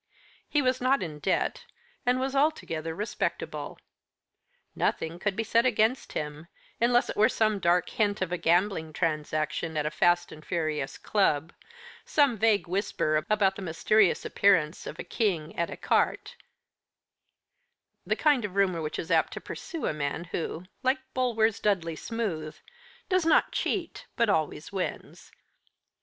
He was not in debt, and was altogether respectable. Nothing could be said against him, unless it were some dark hint of a gambling transaction at a fast and furious club, some vague whisper about the mysterious appearance of a king at écarté the kind of a rumour which is apt to pursue a man who, like Bulwer's Dudley Smooth, does not cheat but always wins.